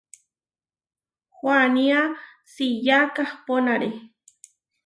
Huanía siyá kahpónare.